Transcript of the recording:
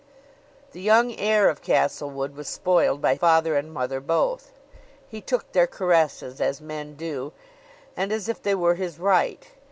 The young heir of Castlewood was spoiled by father and mother both. He took their caresses as men do, and as if they were his right.